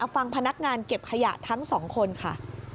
ฟังพนักงานเก็บขยะทั้งสองคนค่ะ